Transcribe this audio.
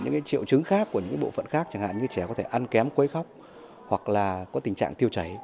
những triệu chứng khác của những bộ phận khác chẳng hạn như trẻ có thể ăn kém quấy khóc hoặc là có tình trạng tiêu chảy